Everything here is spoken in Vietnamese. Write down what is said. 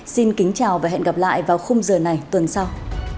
xin kính chào và hẹn gặp lại vào khung giờ này tuần sau